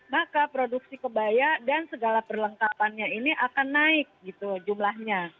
maka produksi kebaya dan segala perlengkapannya ini akan naik gitu jumlahnya